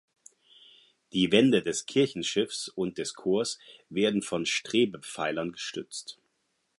Die Wände des Kirchenschiffs und des Chors werden von Strebepfeilern gestützt.